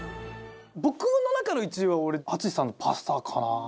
僕の中の１位は俺淳さんのパスタかな。